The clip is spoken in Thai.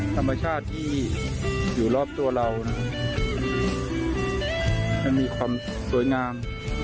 ธรรมชาติที่อยู่รอบตัวเรายังมีความสวยงาม